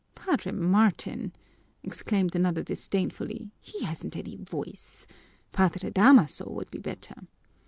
"Padre Martin!" exclaimed another disdainfully. "He hasn't any voice. Padre Damaso would be better."